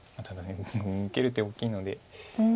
ただ受ける手大きいので。